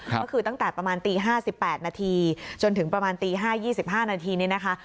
ก็คือตั้งแต่ประมาณตี๕๘นาทีจนถึงประมาณตี๕๒๕นาทีนี้นะคะ